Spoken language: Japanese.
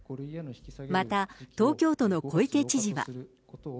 また、東京都の小池知事は。